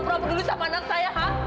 kamu berob ob dulu sama anak saya ha